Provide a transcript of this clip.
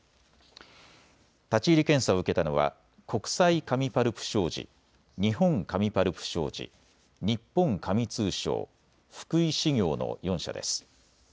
立ち入り検査を受けたのは国際紙パルプ商事、日本紙パルプ商事、日本紙通商、福井紙業の４社です。